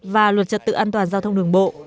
và luật trật tự an toàn giao thông đường bộ